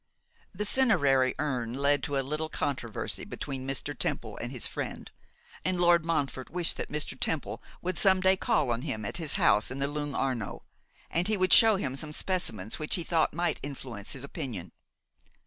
The cinerary urn led to a little controversy between Mr. Temple and his friend; and Lord Montfort wished that Mr. Temple would some day call on him at his house in the Lung' Arno, and he would show him some specimens which he thought might influence his opinion.